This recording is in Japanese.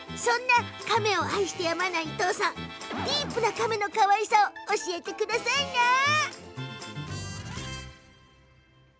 そんなカメを愛してやまない伊藤さん、ディープなカメのかわいさを教えてくださいな。